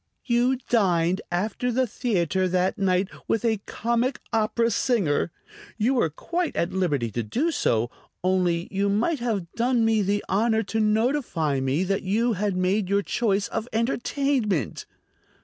"You dined after the theater that night with a comic opera singer. You were quite at liberty to do so, only you might have done me the honor to notify me that you had made your choice of entertainment."